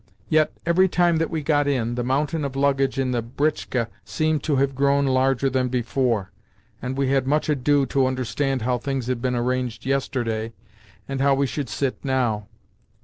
Yet, every time that we got in, the mountain of luggage in the britchka seemed to have grown larger than before, and we had much ado to understand how things had been arranged yesterday, and how we should sit now.